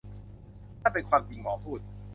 นั่นเป็นความจริงหมอพูด